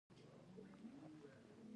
د میوو رنګونه اشتها راوړي.